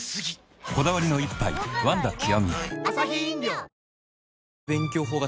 こだわりの一杯「ワンダ極」